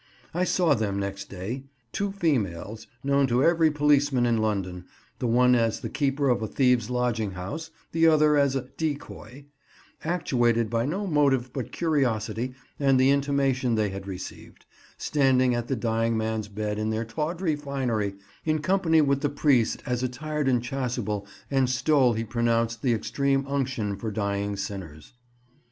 I saw them next day (two females, known to every policeman in London, the one as the keeper of a thieves' lodging house, the other as a "decoy"), actuated by no motive but curiosity and the intimation they had received, standing at the dying man's bed in their tawdry finery, in company with the priest as attired in chasuble and stole he pronounced the extreme unction for dying sinners.